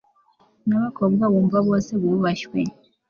n'abakobwa bumva bose bubashywe